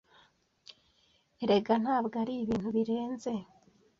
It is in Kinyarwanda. Erega ntabwo ari ibintu birenze